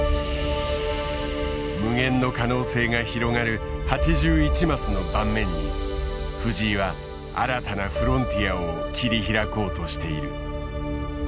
無限の可能性が広がる８１マスの盤面に藤井は新たなフロンティアを切り開こうとしている。